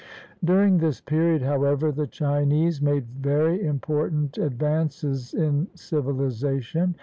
During this period, however, the Chinese made very important advances in civilization.